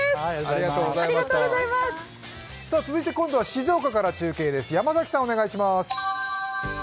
続いて今度は静岡から中継です。